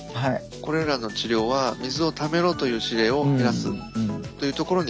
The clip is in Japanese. これらの治療は水をためろという指令を減らすというところに効くと考えられます。